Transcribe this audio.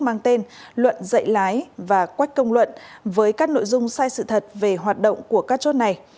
mang tên luận dạy lái và quách công luận với các nội dung sai sự thật về hoạt động của các chốt này